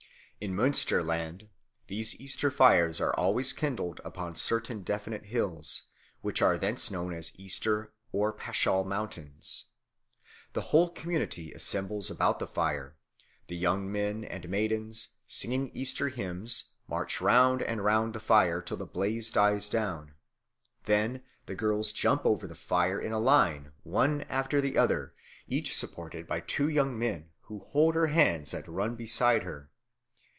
In Münsterland these Easter fires are always kindled upon certain definite hills, which are hence known as Easter or Paschal Mountains. The whole community assembles about the fire. The young men and maidens, singing Easter hymns, march round and round the fire, till the blaze dies down. Then the girls jump over the fire in a line, one after the other, each supported by two young men who hold her hands and run beside her.